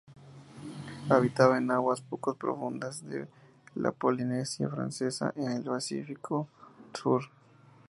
Habita en aguas pocos profundas de la Polinesia Francesa, en el Pacifico Sur.